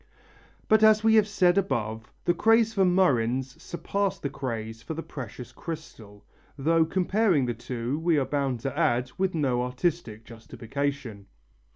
But as we have said above, the craze for murrhines surpassed the craze for the precious crystal, though comparing the two, we are bound to add, with no artistic justification.